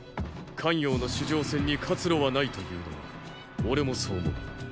咸陽の守城戦に活路はないというのは俺もそう思う。